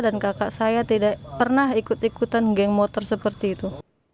dan kakak saya tidak pernah ikut ikutan geng motor seperti itu